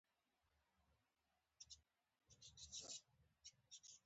ميرويس خان چيغه کړه! زندۍ يې کړئ!